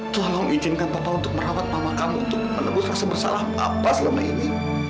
tolong ijinkan papa untuk merawat mamakamu untuk menebus rasa bersalah papa selama ini